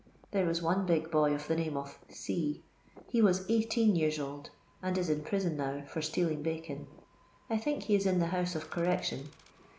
There was one big boy of the name of C ; he was 18 years old, and is in prison now for stealing bacon ; I think he is in the IIous*^ of Correction.